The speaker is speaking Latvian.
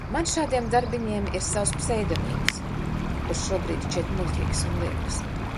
Man šādiem darbiņiem ir savs pseidonīms, kurš šobrīd šķiet muļķīgs un lieks.